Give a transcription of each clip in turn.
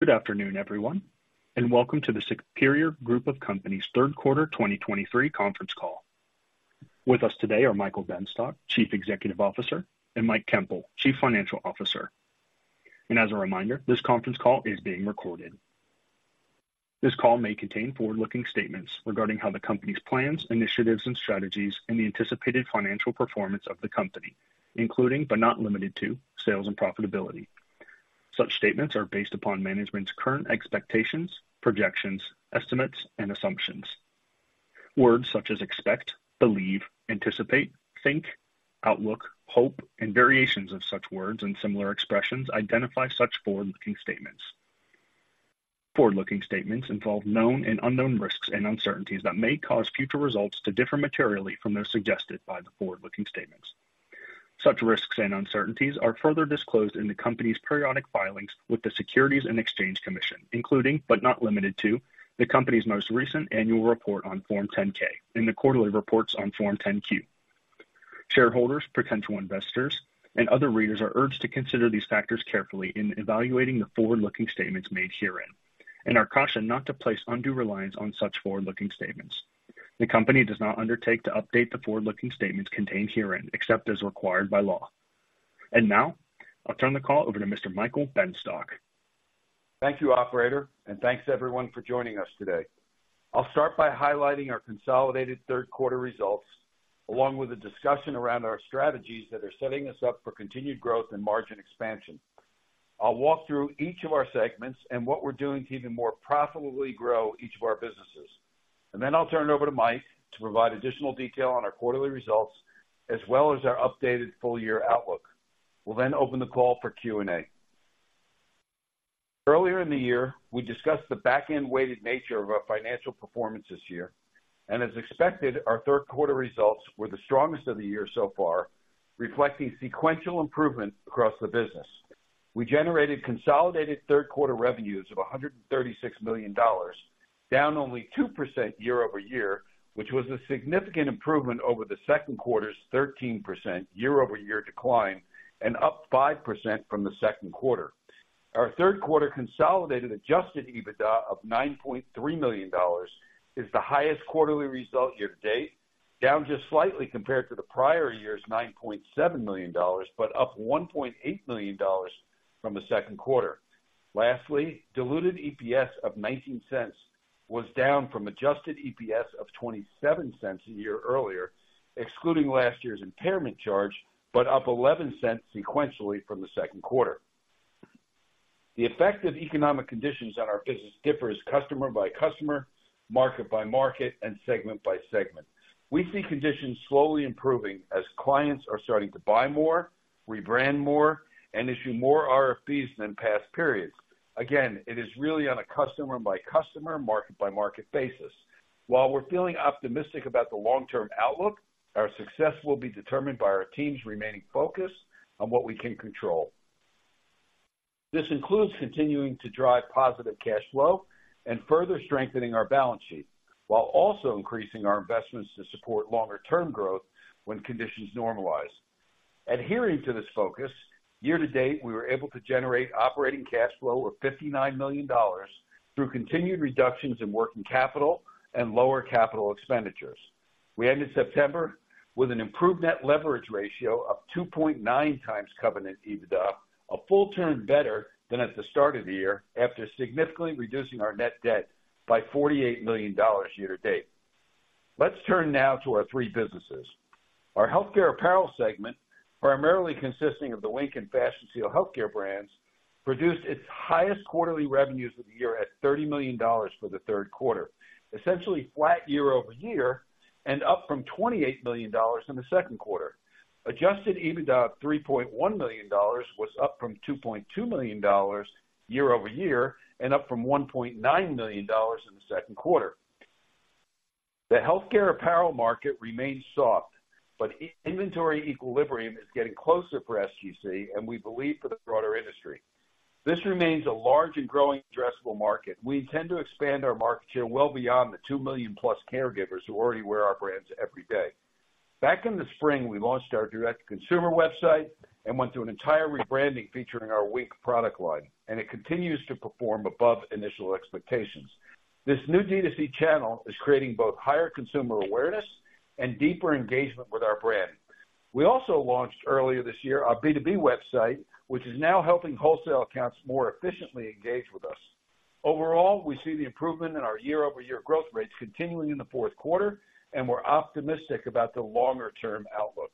Good afternoon, everyone, and welcome to the Superior Group of Companies' third quarter 2023 conference call. With us today are Michael Benstock, Chief Executive Officer, and Mike Koempel, Chief Financial Officer. As a reminder, this conference call is being recorded. This call may contain forward-looking statements regarding how the company's plans, initiatives, and strategies, and the anticipated financial performance of the company, including but not limited to, sales and profitability. Such statements are based upon management's current expectations, projections, estimates, and assumptions. Words such as expect, believe, anticipate, think, outlook, hope, and variations of such words and similar expressions identify such forward-looking statements. Forward-looking statements involve known and unknown risks and uncertainties that may cause future results to differ materially from those suggested by the forward-looking statements. Such risks and uncertainties are further disclosed in the company's periodic filings with the Securities and Exchange Commission, including, but not limited to, the company's most recent annual report on Form 10-K and the quarterly reports on Form 10-Q. Shareholders, potential investors, and other readers are urged to consider these factors carefully in evaluating the forward-looking statements made herein and are cautioned not to place undue reliance on such forward-looking statements. The company does not undertake to update the forward-looking statements contained herein, except as required by law. Now, I'll turn the call over to Mr. Michael Benstock. Thank you, operator, and thanks everyone for joining us today. I'll start by highlighting our consolidated third quarter results, along with a discussion around our strategies that are setting us up for continued growth and margin expansion. I'll walk through each of our segments and what we're doing to even more profitably grow each of our businesses. And then I'll turn it over to Mike to provide additional detail on our quarterly results, as well as our updated full year outlook. We'll then open the call for Q&A. Earlier in the year, we discussed the back-end weighted nature of our financial performance this year, and as expected, our third quarter results were the strongest of the year so far, reflecting sequential improvement across the business. We generated consolidated third quarter revenues of $136 million, down only 2% year-over-year, which was a significant improvement over the second quarter's 13% year-over-year decline and up 5% from the second quarter. Our third quarter consolidated Adjusted EBITDA of $9.3 million is the highest quarterly result year to date, down just slightly compared to the prior year's $9.7 million, but up $1.8 million from the second quarter. Lastly, Diluted EPS of $0.19 was down from Adjusted EPS of $0.27 a year earlier, excluding last year's impairment charge, but up $0.11 sequentially from the second quarter. The effect of economic conditions on our business differs customer by customer, market by market, and segment by segment. We see conditions slowly improving as clients are starting to buy more, rebrand more, and issue more RFPs than past periods. Again, it is really on a customer by customer, market by market basis. While we're feeling optimistic about the long-term outlook, our success will be determined by our team's remaining focus on what we can control. This includes continuing to drive positive cash flow and further strengthening our balance sheet, while also increasing our investments to support longer term growth when conditions normalize. Adhering to this focus, year to date, we were able to generate operating cash flow of $59 million through continued reductions in working capital and lower capital expenditures. We ended September with an improved net leverage ratio of 2.9 times covenant EBITDA, a full turn better than at the start of the year, after significantly reducing our net debt by $48 million year to date. Let's turn now to our three businesses. Our Healthcare Apparel segment, primarily consisting of the Wink and Fashion Seal Healthcare brands, produced its highest quarterly revenues of the year at $30 million for the third quarter, essentially flat year-over-year and up from $28 million in the second quarter. Adjusted EBITDA of $3.1 million was up from $2.2 million year-over-year and up from $1.9 million in the second quarter. The healthcare apparel market remains soft, but inventory equilibrium is getting closer for SGC and we believe for the broader industry. This remains a large and growing addressable market. We intend to expand our market share well beyond the 2 million+ caregivers who already wear our brands every day. Back in the spring, we launched our direct-to-consumer website and went through an entire rebranding featuring our Wink product line, and it continues to perform above initial expectations. This new D2C channel is creating both higher consumer awareness and deeper engagement with our brand. We also launched earlier this year, our B2B website, which is now helping wholesale accounts more efficiently engage with us. Overall, we see the improvement in our year-over-year growth rates continuing in the fourth quarter, and we're optimistic about the longer-term outlook.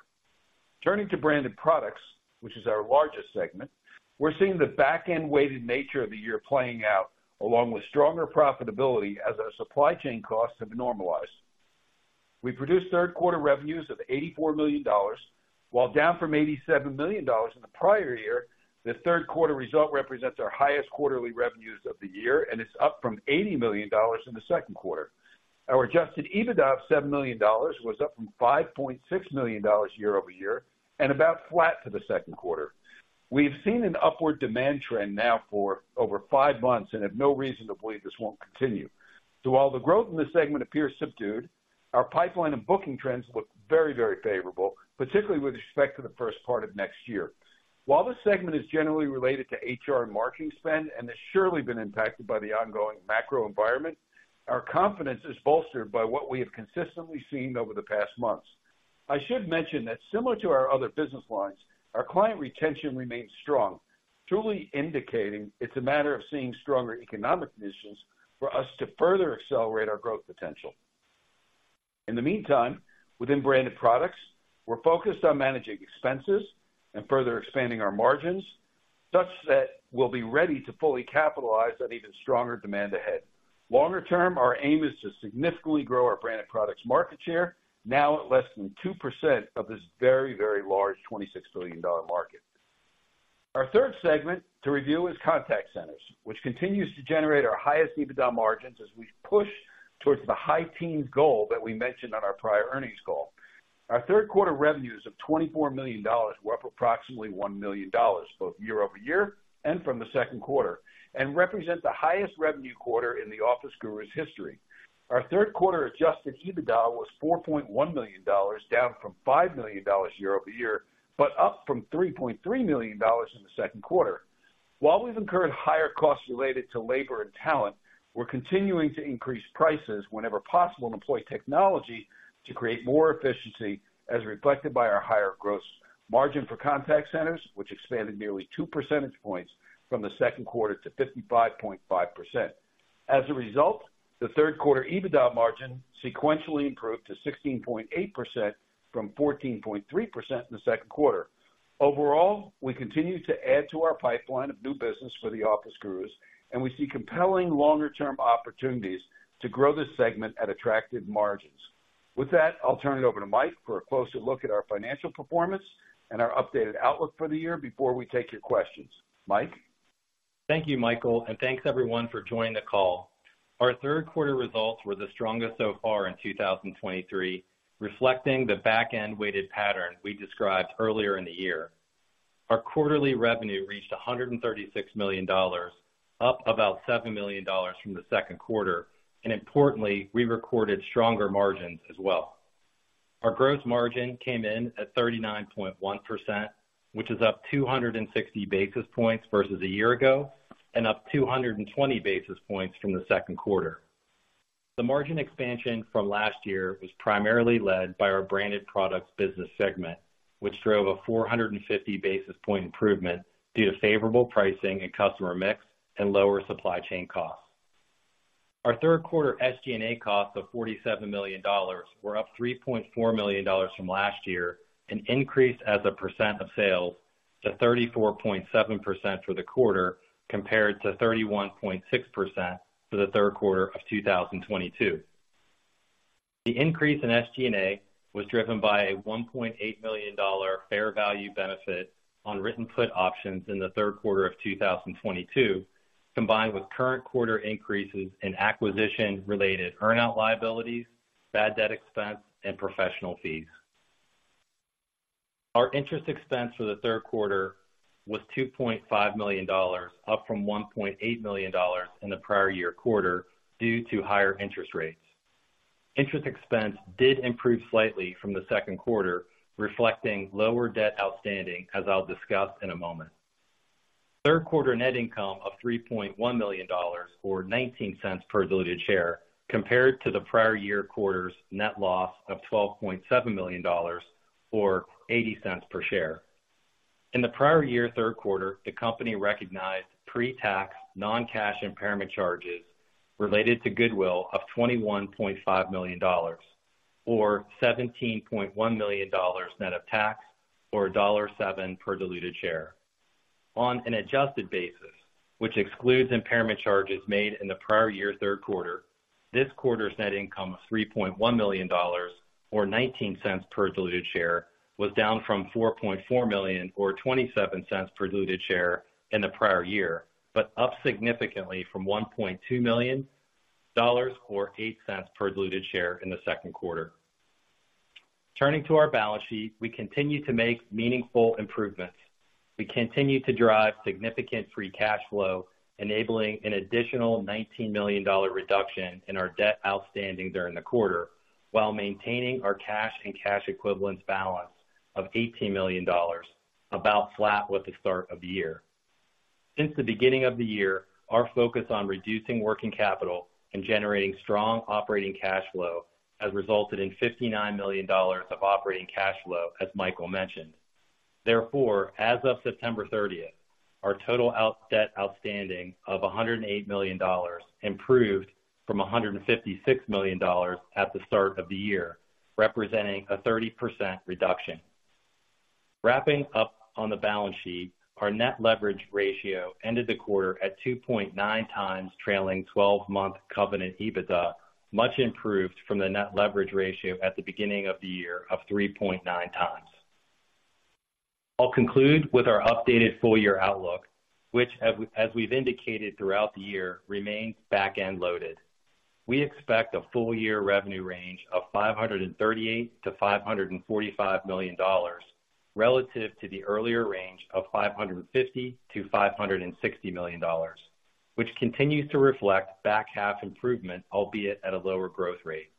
Turning to Branded Products, which is our largest segment, we're seeing the back-end weighted nature of the year playing out, along with stronger profitability as our supply chain costs have normalized. We produced third quarter revenues of $84 million. While down from $87 million in the prior year, the third quarter result represents our highest quarterly revenues of the year, and it's up from $80 million in the second quarter. Our Adjusted EBITDA of $7 million was up from $5.6 million year-over-year and about flat for the second quarter. We've seen an upward demand trend now for over five months and have no reason to believe this won't continue. So while the growth in this segment appears subdued,... Our pipeline and booking trends look very, very favorable, particularly with respect to the first part of next year. While this segment is generally related to HR and marketing spend and has surely been impacted by the ongoing macro environment, our confidence is bolstered by what we have consistently seen over the past months. I should mention that similar to our other business lines, our client retention remains strong, truly indicating it's a matter of seeing stronger economic conditions for us to further accelerate our growth potential. In the meantime, within Branded Products, we're focused on managing expenses and further expanding our margins, such that we'll be ready to fully capitalize on even stronger demand ahead. Longer term, our aim is to significantly grow our Branded Products market share, now at less than 2% of this very, very large $26 billion market. Our third segment to review is Contact Centers, which continues to generate our highest EBITDA margins as we push towards the high teens goal that we mentioned on our prior earnings call. Our third quarter revenues of $24 million were up approximately $1 million, both year-over-year and from the second quarter, and represent the highest revenue quarter in The Office Gurus history. Our third quarter Adjusted EBITDA was $4.1 million, down from $5 million year-over-year, but up from $3.3 million in the second quarter. While we've incurred higher costs related to labor and talent, we're continuing to increase prices whenever possible, and employ technology to create more efficiency, as reflected by our higher gross margin for Contact Centers, which expanded nearly 2 percentage points from the second quarter to 55.5%. As a result, the third quarter EBITDA margin sequentially improved to 16.8% from 14.3% in the second quarter. Overall, we continue to add to our pipeline of new business for The Office Gurus, and we see compelling longer-term opportunities to grow this segment at attractive margins. With that, I'll turn it over to Mike for a closer look at our financial performance and our updated outlook for the year before we take your questions. Mike? Thank you, Michael, and thanks everyone for joining the call. Our third quarter results were the strongest so far in 2023, reflecting the back-end weighted pattern we described earlier in the year. Our quarterly revenue reached $136 million, up about $7 million from the second quarter, and importantly, we recorded stronger margins as well. Our gross margin came in at 39.1%, which is up 260 basis points versus a year ago and up 220 basis points from the second quarter. The margin expansion from last year was primarily led by our Branded Products business segment, which drove a 450 basis point improvement due to favorable pricing and customer mix and lower supply chain costs. Our third quarter SG&A costs of $47 million were up $3.4 million from last year, an increase as a percent of sales to 34.7% for the quarter, compared to 31.6% for the third quarter of 2022. The increase in SG&A was driven by a $1.8 million fair value benefit on written put options in the third quarter of 2022, combined with current quarter increases in acquisition-related earnout liabilities, bad debt expense, and professional fees. Our interest expense for the third quarter was $2.5 million, up from $1.8 million in the prior year quarter due to higher interest rates. Interest expense did improve slightly from the second quarter, reflecting lower debt outstanding, as I'll discuss in a moment. Third quarter net income of $3.1 million, or $0.19 per diluted share, compared to the prior year quarter's net loss of $12.7 million, or $0.80 per share. In the prior year third quarter, the company recognized pre-tax, non-cash impairment charges related to goodwill of $21.5 million, or $17.1 million net of tax, or $1.07 per diluted share. On an adjusted basis, which excludes impairment charges made in the prior year third quarter, this quarter's net income of $3.1 million, or $0.19 per diluted share, was down from $4.4 million, or $0.27 per diluted share in the prior year, but up significantly from $1.2 million, or $0.08 per diluted share in the second quarter. Turning to our balance sheet, we continue to make meaningful improvements. We continue to drive significant free cash flow, enabling an additional $19 million reduction in our debt outstanding during the quarter, while maintaining our cash and cash equivalents balance of $18 million, about flat with the start of the year. Since the beginning of the year, our focus on reducing working capital and generating strong operating cash flow has resulted in $59 million of operating cash flow, as Michael mentioned. Therefore, as of September thirtieth, our total outstanding debt of $108 million improved from $156 million at the start of the year, representing a 30% reduction. Wrapping up on the balance sheet, our net leverage ratio ended the quarter at 2.9 times, trailing 12-month Covenant EBITDA, much improved from the net leverage ratio at the beginning of the year of 3.9 times. I'll conclude with our updated full-year outlook, which, as we've indicated throughout the year, remains back-end loaded. We expect a full-year revenue range of $538 million-$545 million, relative to the earlier range of $550 million-$560 million.... which continues to reflect back half improvement, albeit at a lower growth rate.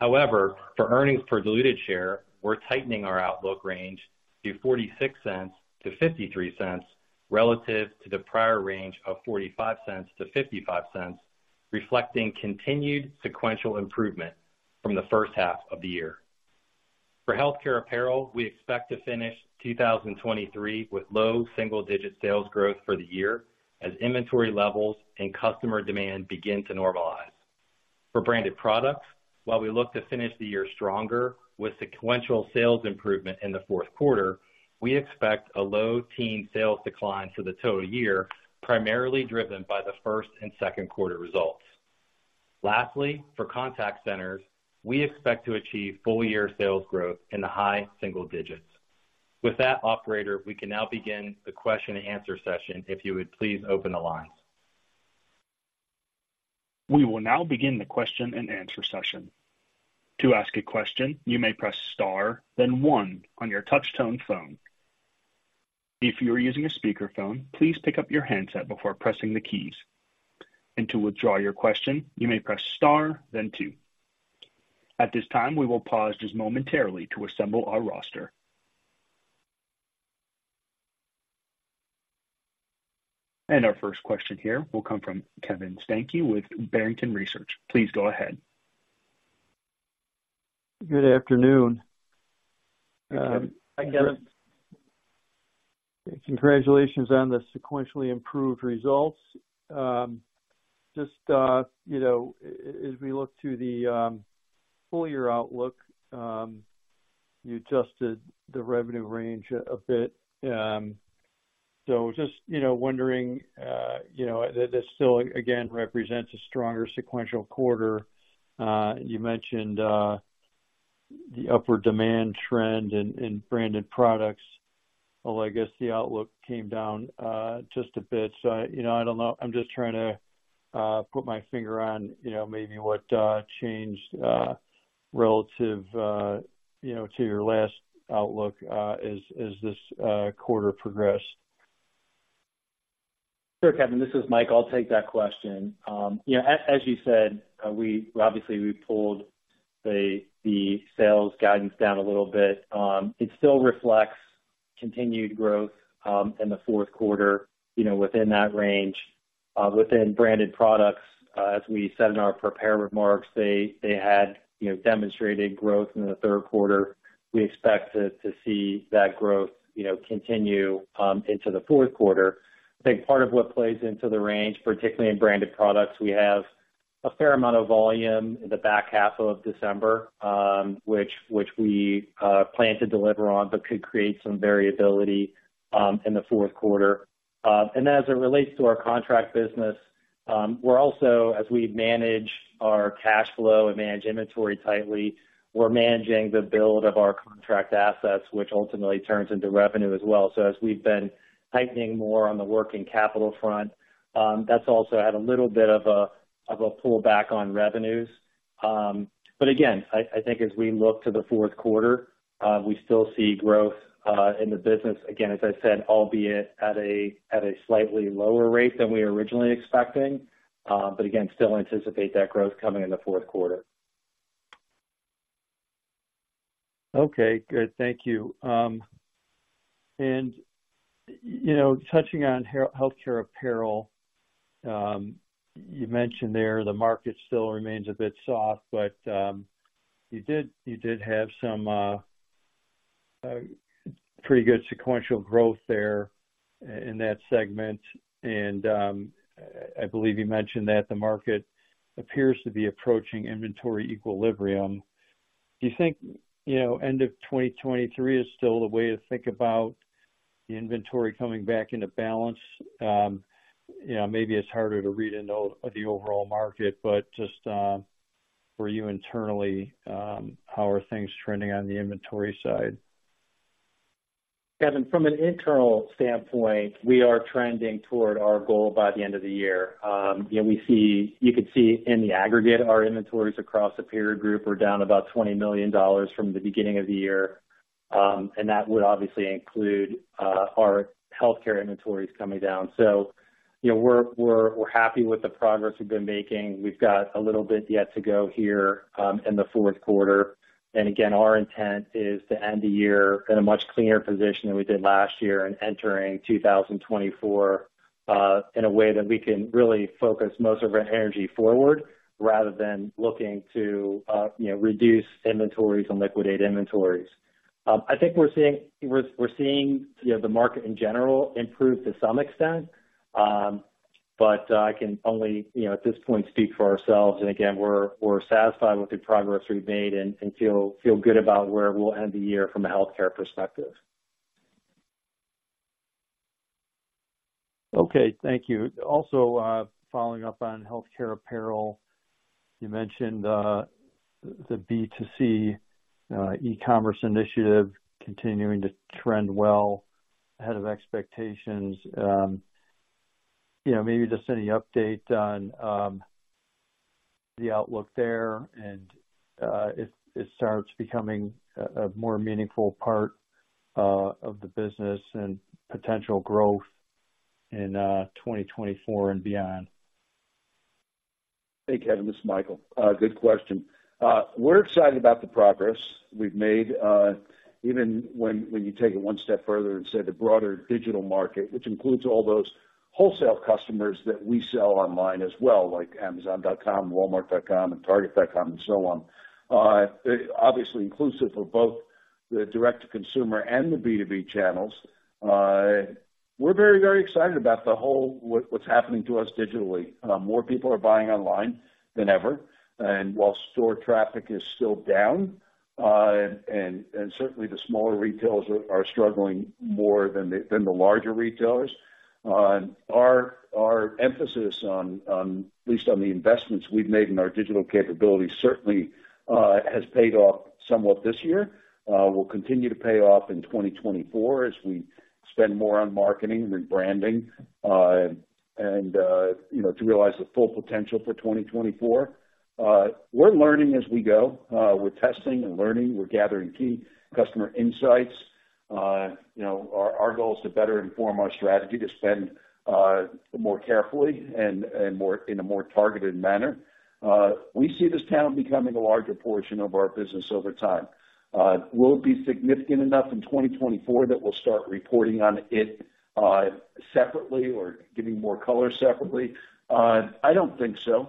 However, for earnings per diluted share, we're tightening our outlook range to $0.46-$0.53 relative to the prior range of $0.45-$0.55, reflecting continued sequential improvement from the first half of the year. For healthcare apparel, we expect to finish 2023 with low single-digit sales growth for the year, as inventory levels and customer demand begin to normalize. For branded products, while we look to finish the year stronger with sequential sales improvement in the fourth quarter, we expect a low-teens sales decline for the total year, primarily driven by the first and second quarter results. Lastly, for contact centers, we expect to achieve full year sales growth in the high single digits. With that, operator, we can now begin the question and answer session, if you would please open the lines. We will now begin the question and answer session. To ask a question, you may press star, then one on your touchtone phone. If you are using a speakerphone, please pick up your handset before pressing the keys, and to withdraw your question, you may press star then two. At this time, we will pause just momentarily to assemble our roster. Our first question here will come from Kevin Steinke with Barrington Research. Please go ahead. Good afternoon. Hi, Kevin. Congratulations on the sequentially improved results. Just, you know, as we look to the full year outlook, you adjusted the revenue range a bit. So just, you know, wondering, you know, this still again represents a stronger sequential quarter. You mentioned the upward demand trend in branded products, although I guess the outlook came down just a bit. So, you know, I don't know. I'm just trying to put my finger on, you know, maybe what changed relative, you know, to your last outlook, as this quarter progressed. Sure, Kevin, this is Mike. I'll take that question. You know, as you said, we obviously pulled the sales guidance down a little bit. It still reflects continued growth in the fourth quarter, you know, within that range. Within Branded Products, as we said in our prepared remarks, they had demonstrated growth in the third quarter. We expect to see that growth, you know, continue into the fourth quarter. I think part of what plays into the range, particularly in Branded Products, we have a fair amount of volume in the back half of December, which we plan to deliver on, but could create some variability in the fourth quarter. And then as it relates to our contract business, we're also, as we manage our cash flow and manage inventory tightly, we're managing the build of our contract assets, which ultimately turns into revenue as well. So as we've been tightening more on the working capital front, that's also had a little bit of a pullback on revenues. But again, I think as we look to the fourth quarter, we still see growth in the business. Again, as I said, albeit at a slightly lower rate than we originally expecting, but again, still anticipate that growth coming in the fourth quarter. Okay, good. Thank you. And, you know, touching on healthcare apparel, you mentioned there the market still remains a bit soft, but, you did, you did have some, pretty good sequential growth there in that segment. And, I believe you mentioned that the market appears to be approaching inventory equilibrium. Do you think, you know, end of 2023 is still the way to think about the inventory coming back into balance? You know, maybe it's harder to read into the overall market, but just, for you internally, how are things trending on the inventory side? Kevin, from an internal standpoint, we are trending toward our goal by the end of the year. You know, we see. You could see in the aggregate, our inventories across the peer group were down about $20 million from the beginning of the year. And that would obviously include our healthcare inventories coming down. So you know, we're happy with the progress we've been making. We've got a little bit yet to go here in the fourth quarter. And again, our intent is to end the year in a much cleaner position than we did last year and entering 2024 in a way that we can really focus most of our energy forward, rather than looking to you know, reduce inventories and liquidate inventories. I think we're seeing, you know, the market in general improve to some extent. But I can only, you know, at this point, speak for ourselves. And again, we're satisfied with the progress we've made and feel good about where we'll end the year from a healthcare perspective. Okay, thank you. Also, following up on healthcare apparel, you mentioned the B2C e-commerce initiative continuing to trend well ahead of expectations. You know, maybe just any update on the outlook there, and it starts becoming a more meaningful part of the business and potential growth in 2024 and beyond. Hey, Kevin, this is Michael. Good question. We're excited about the progress we've made, even when, when you take it one step further and say the broader digital market, which includes all those wholesale customers that we sell online as well, like Amazon.com, Walmart.com, and Target.com, and so on. It's obviously inclusive of both the direct-to-consumer and the B2B channels. We're very, very excited about the whole, what's happening to us digitally. More people are buying online than ever, and while store traffic is still down, and, and, certainly the smaller retailers are, are struggling more than the, than the larger retailers. Our, our emphasis on, on, at least on the investments we've made in our digital capabilities, certainly, has paid off somewhat this year. Will continue to pay off in 2024 as we spend more on marketing and branding, and, you know, to realize the full potential for 2024. We're learning as we go. We're testing and learning. We're gathering key customer insights. You know, our goal is to better inform our strategy, to spend more carefully and more in a more targeted manner. We see this channel becoming a larger portion of our business over time. Will it be significant enough in 2024 that we'll start reporting on it separately or giving more color separately? I don't think so.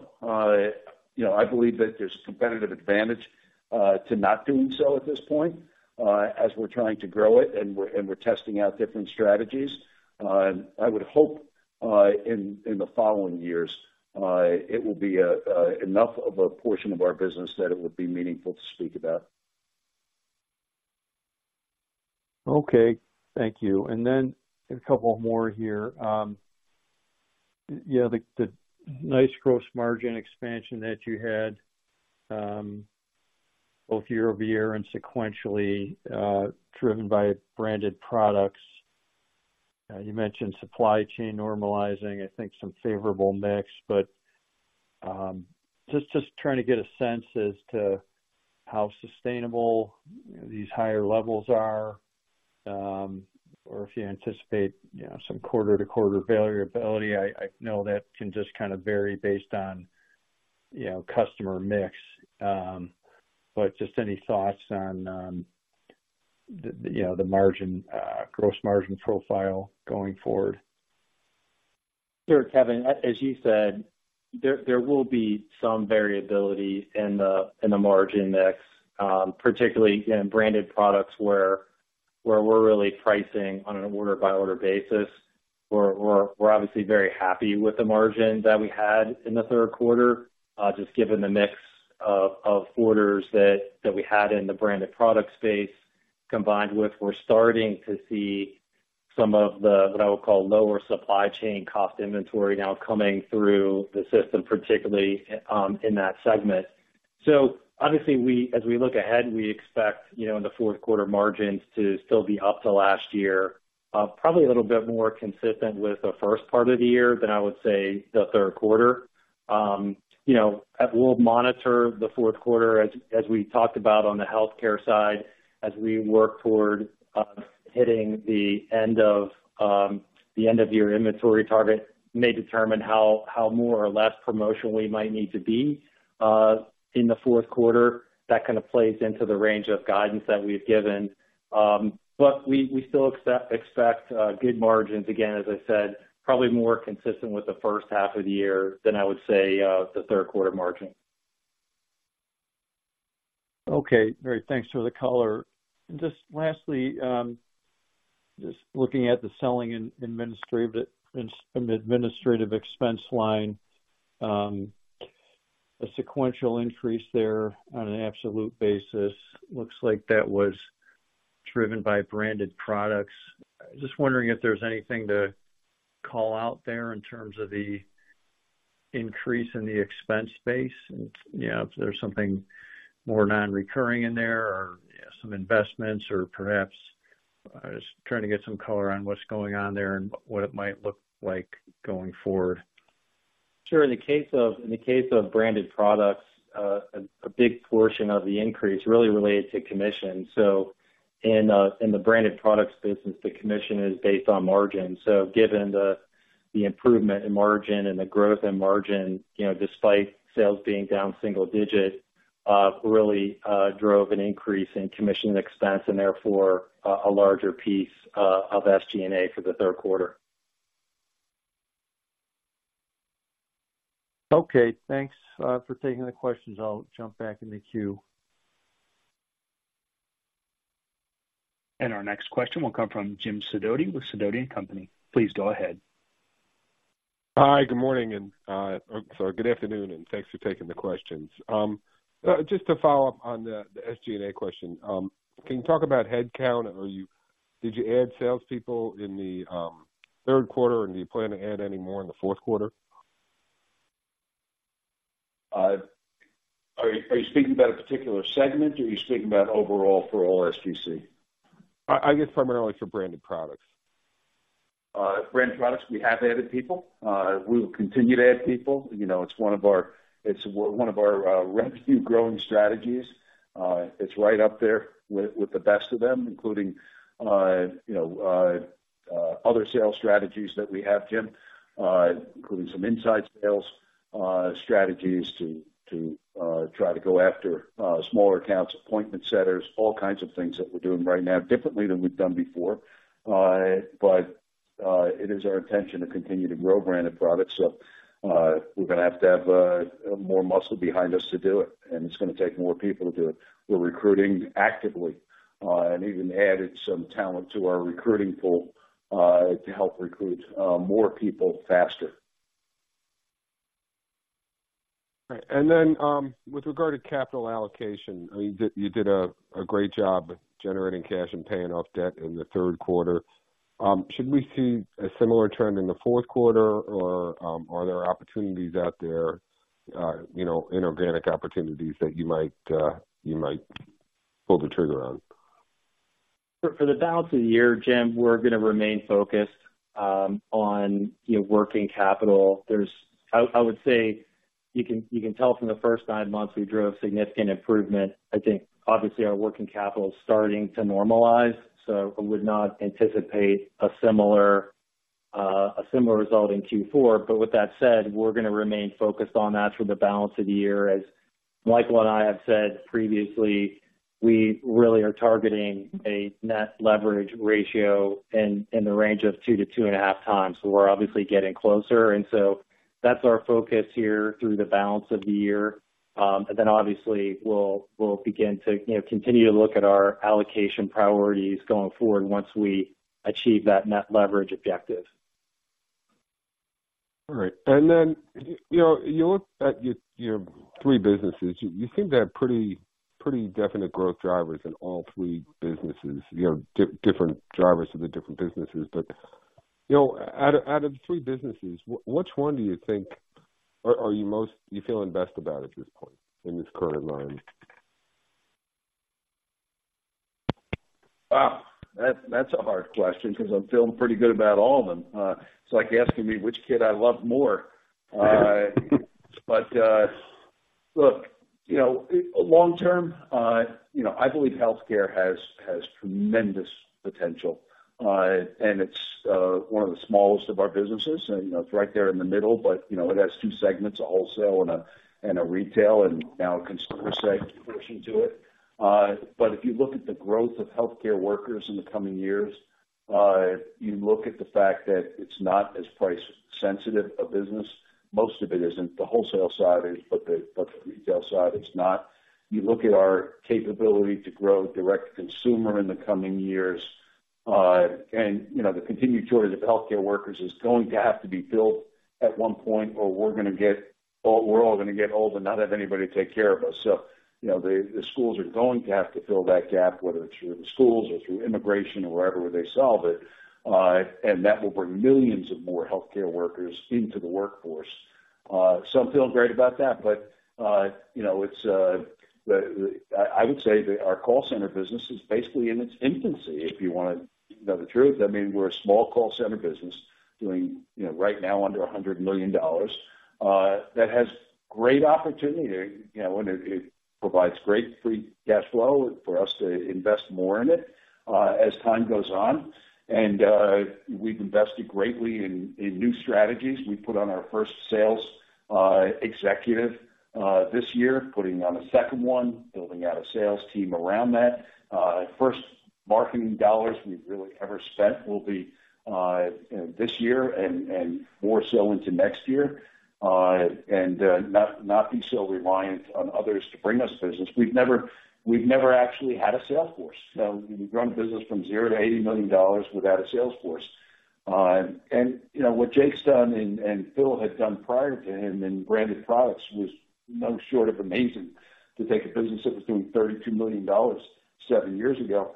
You know, I believe that there's competitive advantage to not doing so at this point, as we're trying to grow it, and we're testing out different strategies. I would hope, in the following years, it will be enough of a portion of our business that it would be meaningful to speak about. Okay. Thank you. And then a couple more here. Yeah, the nice gross margin expansion that you had, both year-over-year and sequentially, driven by branded products. You mentioned supply chain normalizing, I think some favorable mix, but just trying to get a sense as to how sustainable these higher levels are, or if you anticipate, you know, some quarter-to-quarter variability. I know that can just kind of vary based on, you know, customer mix. But just any thoughts on the margin, gross margin profile going forward? Sure, Kevin, as you said, there will be some variability in the margin mix, particularly in branded products where we're really pricing on an order-by-order basis. We're obviously very happy with the margin that we had in the third quarter, just given the mix of orders that we had in the branded product space, combined with we're starting to see some of the, what I would call, lower supply chain cost inventory now coming through the system, particularly in that segment. So obviously, as we look ahead, we expect the fourth quarter margins to still be up to last year. Probably a little bit more consistent with the first part of the year than I would say the third quarter. You know, that we'll monitor the fourth quarter as, as we talked about on the healthcare side, as we work toward hitting the end of the end-of-year inventory target, may determine how, how more or less promotional we might need to be in the fourth quarter. That kind of plays into the range of guidance that we've given. But we, we still expect good margins. Again, as I said, probably more consistent with the first half of the year than I would say the third quarter margin. Okay. Great. Thanks for the color. And just lastly, just looking at the selling and administrative expense line, a sequential increase there on an absolute basis. Looks like that was driven by branded products. Just wondering if there's anything to call out there in terms of the increase in the expense base, and, you know, if there's something more non-recurring in there or some investments, or perhaps just trying to get some color on what's going on there and what it might look like going forward. Sure. In the case of branded products, a big portion of the increase really related to commission. So in the branded products business, the commission is based on margin. So given the improvement in margin and the growth in margin, you know, despite sales being down single digit, really drove an increase in commission expense and therefore a larger piece of SG&A for the third quarter. Okay, thanks, for taking the questions. I'll jump back in the queue. Our next question will come from Jim Sidoti with Sidoti & Company. Please go ahead. Hi, good morning, and sorry, good afternoon, and thanks for taking the questions. Just to follow up on the SG&A question, can you talk about headcount? Did you add salespeople in the third quarter, and do you plan to add any more in the fourth quarter? Are you speaking about a particular segment, or are you speaking about overall for all SGC? I guess primarily for branded products. Branded Products, we have added people. We will continue to add people. You know, it's one of our, it's one of our, revenue-growing strategies. It's right up there with, with the best of them, including, you know, other sales strategies that we have, Jim, including some inside sales, strategies to, to, try to go after, smaller accounts, appointment setters, all kinds of things that we're doing right now differently than we've done before. But, it is our intention to continue to grow Branded Products, so, we're gonna have to have, more muscle behind us to do it, and it's gonna take more people to do it. We're recruiting actively, and even added some talent to our recruiting pool, to help recruit, more people faster. Right. And then, with regard to capital allocation, I mean, you did a great job generating cash and paying off debt in the third quarter. Should we see a similar trend in the fourth quarter, or are there opportunities out there, you know, inorganic opportunities that you might pull the trigger on? For the balance of the year, Jim, we're gonna remain focused, on, you know, working capital. There's. I would say, you can tell from the first nine months, we drove significant improvement. I think obviously our working capital is starting to normalize, so I would not anticipate a similar result in Q4. But with that said, we're gonna remain focused on that for the balance of the year. As Michael and I have said previously, we really are targeting a net leverage ratio in the range of two to -2.5 times. So we're obviously getting closer, and so that's our focus here through the balance of the year. And then obviously, we'll begin to, you know, continue to look at our allocation priorities going forward once we achieve that net leverage objective. All right. Then, you know, you look at your three businesses, you seem to have pretty definite growth drivers in all three businesses. You have different drivers in the different businesses. But, you know, out of the three businesses, which one do you think are you most you feeling best about at this point in this current environment? Ah! That's a hard question 'cause I'm feeling pretty good about all of them. It's like asking me which kid I love more. But look, you know, long term, you know, I believe healthcare has tremendous potential. And it's one of the smallest of our businesses, and you know, it's right there in the middle, but you know, it has two segments, a wholesale and a retail, and now a consumer segment portion to it. But if you look at the growth of healthcare workers in the coming years, you look at the fact that it's not as price sensitive a business. Most of it isn't. The wholesale side is, but the retail side is not. You look at our capability to grow direct to consumer in the coming years, and, you know, the continued shortage of healthcare workers is going to have to be filled at one point, or we're all gonna get old and not have anybody to take care of us. So, you know, the schools are going to have to fill that gap, whether it's through the schools or through immigration or wherever they solve it. And that will bring millions of more healthcare workers into the workforce. So I'm feeling great about that, but, you know, it's. I would say that our call center business is basically in its infancy, if you want to know the truth. I mean, we're a small call center business doing, you know, right now, under $100 million, that has great opportunity, you know, and it, it provides great free cash flow for us to invest more in it, as time goes on. And, we've invested greatly in, in new strategies. We put on our first sales, executive, this year, putting on a second one, building out a sales team around that. First marketing dollars we've really ever spent will be, you know, this year and, and more so into next year, and, not, not be so reliant on others to bring us business. We've never, we've never actually had a sales force. So we've grown business from zero to $80 million without a sales force. And, you know, what Jake's done and Phil had done prior to him in branded products was no short of amazing, to take a business that was doing $32 million seven years ago.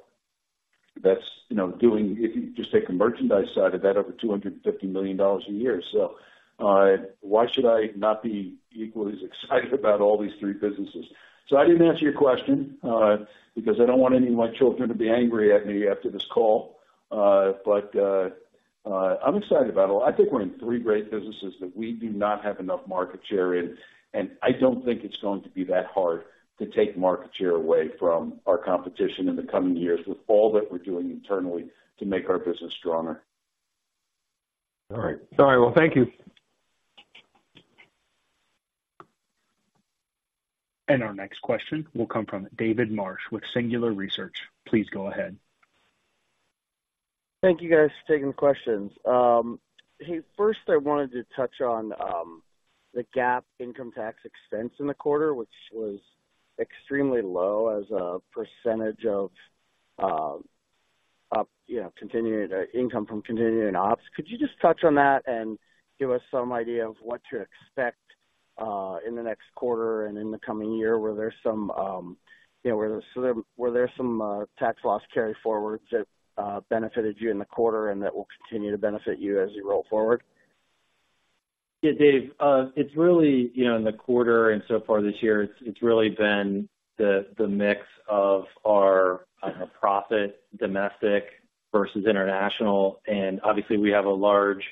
That's, you know, doing... If you just take the merchandise side of that, over $250 million a year. So, why should I not be equally as excited about all these three businesses? So I didn't answer your question, because I don't want any of my children to be angry at me after this call. But, I'm excited about it. I think we're in three great businesses that we do not have enough market share in, and I don't think it's going to be that hard to take market share away from our competition in the coming years with all that we're doing internally to make our business stronger. All right. All right, well, thank you. Our next question will come from David Marsh with Singular Research. Please go ahead. Thank you, guys, for taking the questions. Hey, first, I wanted to touch on the GAAP income tax expense in the quarter, which was extremely low as a percentage of, you know, continuing income from continuing ops. Could you just touch on that and give us some idea of what to expect in the next quarter and in the coming year? Were there some, you know, were there some tax loss carryforwards that benefited you in the quarter and that will continue to benefit you as you roll forward? Yeah, Dave, it's really, you know, in the quarter and so far this year, it's really been the mix of our profit, domestic versus international. And obviously, we have a large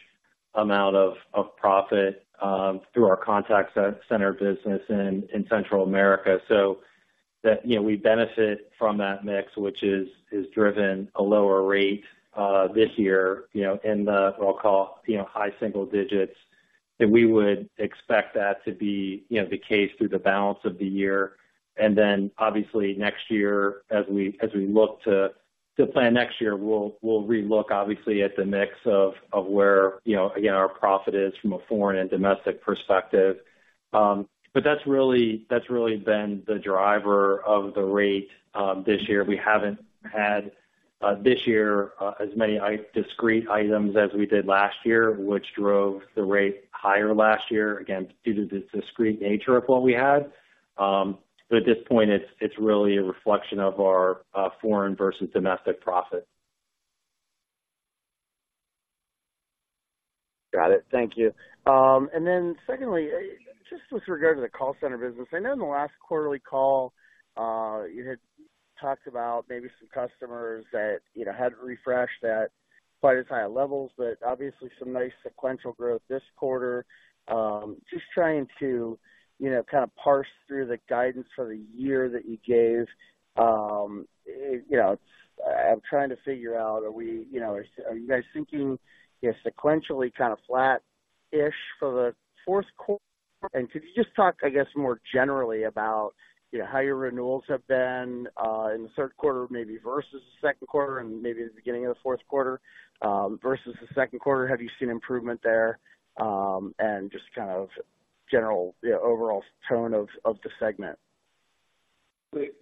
amount of profit through our contact center business in Central America. So that, you know, we benefit from that mix, which is driven a lower rate this year, you know, in the, what I'll call, high single digits, that we would expect that to be, you know, the case through the balance of the year. And then, obviously, next year, as we look to plan next year, we'll relook, obviously, at the mix of where, you know, again, our profit is from a foreign and domestic perspective. But that's really, that's really been the driver of the rate this year. We haven't had this year as many discrete items as we did last year, which drove the rate higher last year, again, due to the discrete nature of what we had. But at this point, it's really a reflection of our foreign versus domestic profit. Got it. Thank you. And then secondly, just with regard to the call center business, I know in the last quarterly call, you had talked about maybe some customers that, you know, hadn't refreshed at quite as high levels, but obviously some nice sequential growth this quarter. Just trying to, you know, kind of parse through the guidance for the year that you gave. You know, I'm trying to figure out, are we, you know, are, are you guys thinking, you know, sequentially kind of flat-ish for the fourth quarter? And could you just talk, I guess, more generally about, you know, how your renewals have been, in the third quarter, maybe versus the second quarter and maybe the beginning of the fourth quarter, versus the second quarter? Have you seen improvement there? Just kind of general, you know, overall tone of the segment.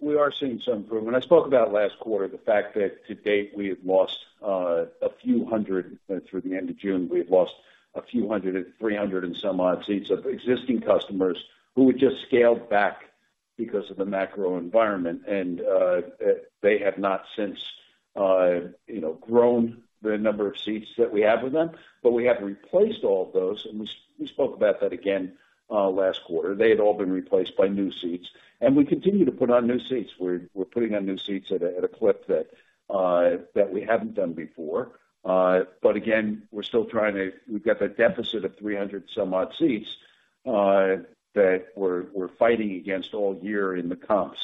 We are seeing some improvement. I spoke about it last quarter, the fact that to date, we have lost a few hundred; through the end of June, we have lost a few hundred, 300 and some odd seats of existing customers who had just scaled back because of the macro environment. And they have not since, you know, grown the number of seats that we have with them. But we have replaced all of those, and we spoke about that again last quarter. They had all been replaced by new seats, and we continue to put on new seats. We're putting on new seats at a clip that we haven't done before. But again, we're still trying to—we've got that deficit of 300-some-odd seats that we're fighting against all year in the comps.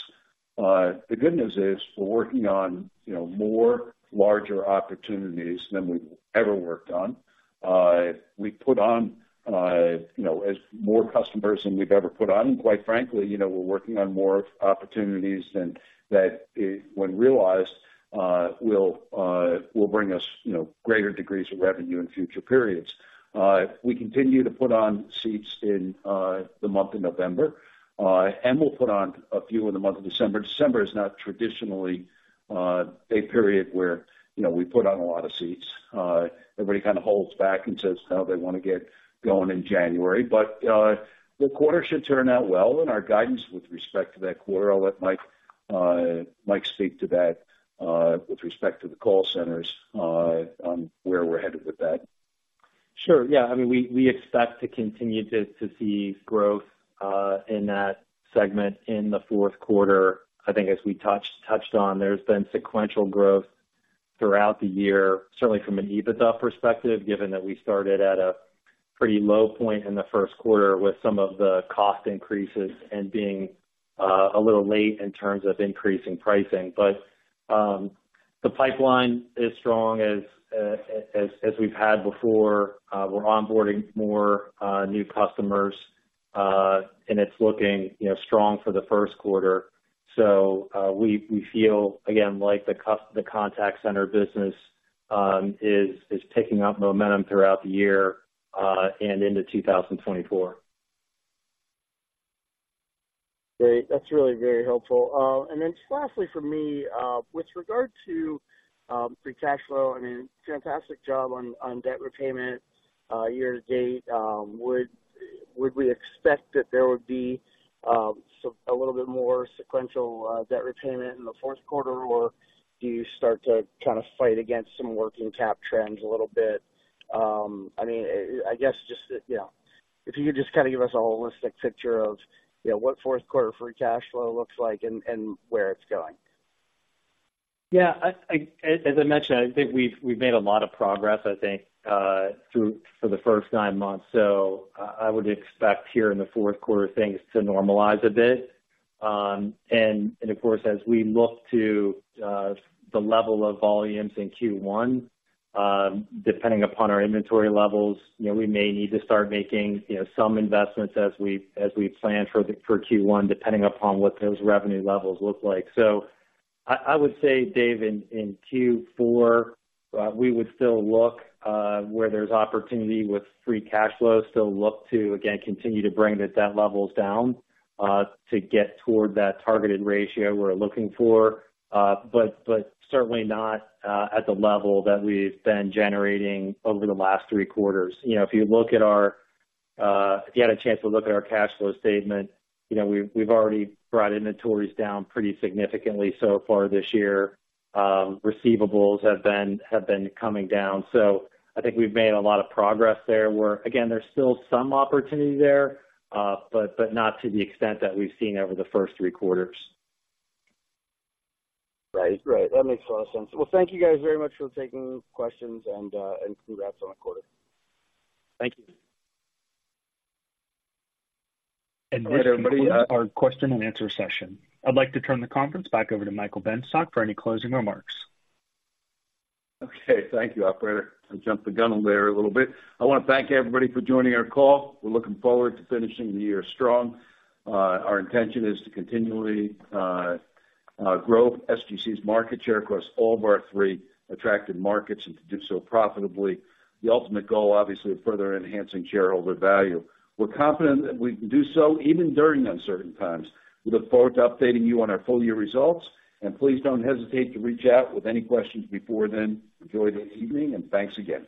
The good news is, we're working on, you know, more larger opportunities than we've ever worked on. We put on, you know, as more customers than we've ever put on. Quite frankly, you know, we're working on more opportunities than that, when realized, will bring us, you know, greater degrees of revenue in future periods. We continue to put on seats in the month of November, and we'll put on a few in the month of December. December is not traditionally a period where, you know, we put on a lot of seats. Everybody kind of holds back and says how they want to get going in January. But, the quarter should turn out well, and our guidance with respect to that quarter, I'll let Mike, Mike speak to that, with respect to the call centers, on where we're headed with that. Sure. Yeah, I mean, we expect to continue to see growth in that segment in the fourth quarter. I think as we touched on, there's been sequential growth throughout the year, certainly from an EBITDA perspective, given that we started at a pretty low point in the first quarter with some of the cost increases and being a little late in terms of increasing pricing. But the pipeline is strong as we've had before. We're onboarding more new customers, and it's looking, you know, strong for the first quarter. So we feel, again, like the contact center business is picking up momentum throughout the year and into 2024. Great. That's really very helpful. And then just lastly for me, with regard to free cash flow, I mean, fantastic job on debt repayment year to date. Would we expect that there would be some a little bit more sequential debt repayment in the fourth quarter? Or do you start to kind of fight against some working cap trends a little bit? I mean, I guess just, you know, if you could just kind of give us a holistic picture of, you know, what fourth quarter free cash flow looks like and where it's going. Yeah, as I mentioned, I think we've made a lot of progress, I think, through for the first nine months. So I would expect here in the fourth quarter things to normalize a bit. And of course, as we look to the level of volumes in Q1, depending upon our inventory levels, you know, we may need to start making, you know, some investments as we plan for Q1, depending upon what those revenue levels look like. So I would say, Dave, in Q4, we would still look where there's opportunity with free cash flow, still look to, again, continue to bring the debt levels down, to get toward that targeted ratio we're looking for, but certainly not at the level that we've been generating over the last three quarters. You know, if you look at our... If you had a chance to look at our cash flow statement, you know, we've already brought inventories down pretty significantly so far this year. Receivables have been coming down, so I think we've made a lot of progress there, where, again, there's still some opportunity there, but not to the extent that we've seen over the first three quarters. Right. Right. That makes a lot of sense. Well, thank you guys very much for taking questions, and, and congrats on the quarter. Thank you. And this concludes- All right, everybody- Our question and answer session. I'd like to turn the conference back over to Michael Benstock for any closing remarks. Okay, thank you, operator. I jumped the gun on there a little bit. I want to thank everybody for joining our call. We're looking forward to finishing the year strong. Our intention is to continually grow SGC's market share across all of our three attractive markets and to do so profitably. The ultimate goal, obviously, is further enhancing shareholder value. We're confident that we can do so even during uncertain times. We look forward to updating you on our full year results, and please don't hesitate to reach out with any questions before then. Enjoy the evening, and thanks again.